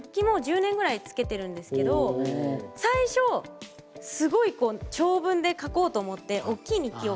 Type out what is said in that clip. もう１０年ぐらいつけてるんですけど最初すごい長文で書こうと思っておっきい日記を買ったんですよ。